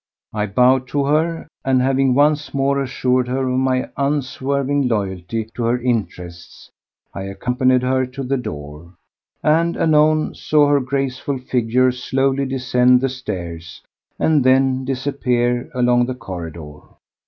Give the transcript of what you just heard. I bowed to her, and, having once more assured her of my unswerving loyalty to her interests, I accompanied her to the door, and anon saw her graceful figure slowly descend the stairs and then disappear along the corridor.